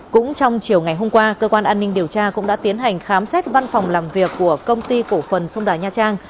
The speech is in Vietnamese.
cũng trong chiều ngày hôm qua cơ quan an ninh điều tra cũng đã tiến hành khám xét văn phòng làm việc của công ty cổ phần sông đà nha trang